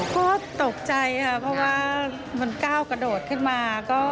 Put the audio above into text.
ก็ตกใจค่ะเพราะว่ามันก้าวกระโดดขึ้นมา